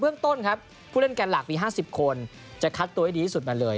เรื่องต้นครับผู้เล่นแก่นหลักมี๕๐คนจะคัดตัวให้ดีที่สุดมาเลย